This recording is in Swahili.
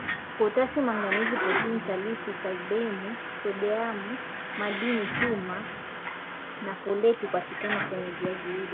potasi manganizi protini kalisi sodiamu madini chuma na foleti hupatikana kwenye viazi lishe